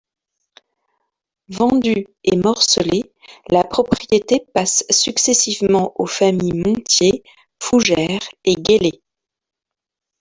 Vendue et morcelée, la propriété passe successivement aux familles Montier, Fougère et Guélé.